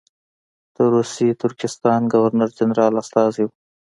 د روسي ترکستان ګورنر جنرال استازی وو.